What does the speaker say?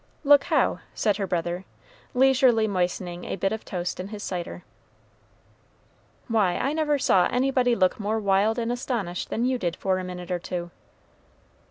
"Look how?" said her brother, leisurely moistening a bit of toast in his cider. "Why, I never saw anybody look more wild and astonished than you did for a minute or two."